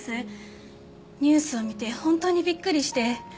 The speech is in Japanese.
ニュースを見て本当にびっくりして。